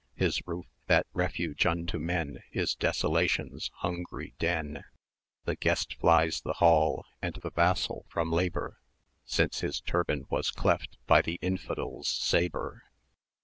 His roof, that refuge unto men, Is Desolation's hungry den. The guest flies the hall, and the vassal from labour, 350 Since his turban was cleft by the infidel's sabre!